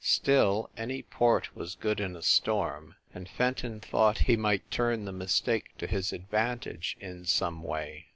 Still, any port was good in a storm, and Fenton thought he might turn the mistake to his advantage in some way.